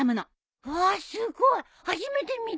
わあすごい初めて見た！